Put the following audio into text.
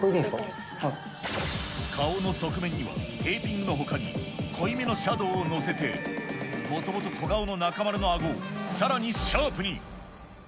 顔の側面にはテーピングのほかに、濃いめのシャドウを乗せて、もともと小顔の中丸のあごをさらにシャープに。